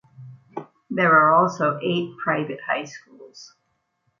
There are also eight private high schools.